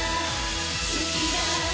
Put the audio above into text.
好きだ